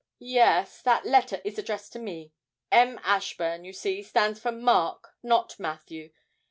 'Yes, that letter is addressed to me M. Ashburn, you see, stands for Mark, not Matthew.